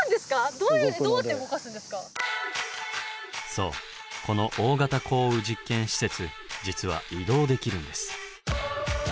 そうこの大型降雨実験施設実は移動できるんです。